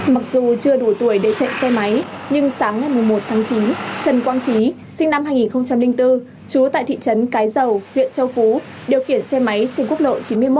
mặc dù chưa đủ tuổi để chạy xe máy nhưng sáng ngày một tháng chín trần quang trí sinh năm hai nghìn bốn chú tại thị trấn cái dầu huyện châu phú điều khiển xe máy trên quốc lộ chín mươi một